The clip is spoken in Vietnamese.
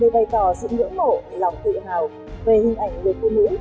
để bày tỏ sự nhưỡng mộ lòng tự hào về hình ảnh người phụ nữ